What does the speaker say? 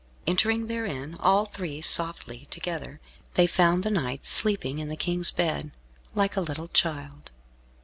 Entering therein, all three, softly together, they found the knight sleeping in the King's bed, like a little child.